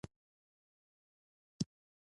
دا یې خپل جهاد ګڼلی وو.